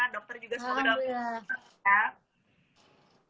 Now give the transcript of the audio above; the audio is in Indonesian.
dokter juga selalu berhubung